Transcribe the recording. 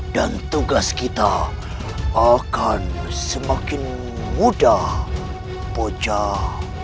dan tugas kita akan semakin mudah pocah